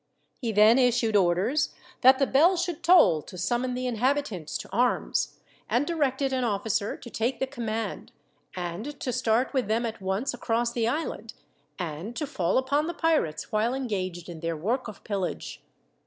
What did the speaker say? He then issued orders that the bell should toll to summon the inhabitants to arms; and directed an officer to take the command, and to start with them at once across the island, and to fall upon the pirates while engaged in their work of pillage.